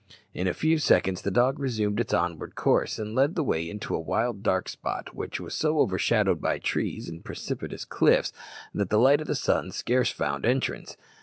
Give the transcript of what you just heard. In a few seconds the dog resumed its onward course, and led the way into a wild, dark spot, which was so overshadowed by trees and precipitous cliffs that the light of the sun scarce found entrance.